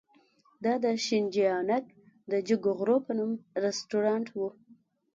دا د شینجیانګ د جګو غرونو په نوم رستورانت و.